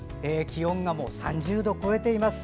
気温がもう３０度を超えています。